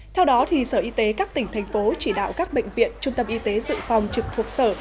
theo đó sở y tế các tỉnh thành phố chỉ đạo các bệnh viện trung tâm y tế dự phòng trực thuộc sở